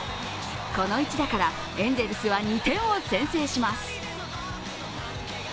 この一打から、エンゼルスは２点を先制します。